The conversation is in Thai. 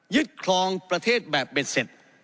ครองประเทศแบบเบ็ดเสร็จ